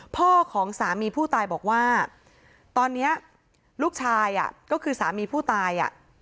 พ่อของสามีผู้ตายบอกว่าตอนนี้ลูกชายก็คือสามีผู้ตายอ่ะ